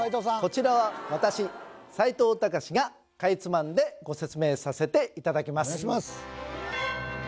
こちらは私齋藤孝がかいつまんでご説明させていただきます